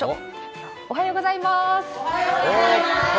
おはようございます。